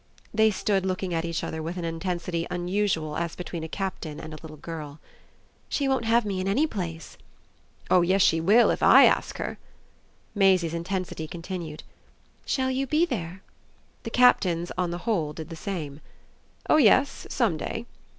They stood looking at each other with an intensity unusual as between a Captain and a little girl. "She won't have me in any place." "Oh yes she will if I ask her!" Maisie's intensity continued. "Shall you be there?" The Captain's, on the whole, did the same. "Oh yes some day."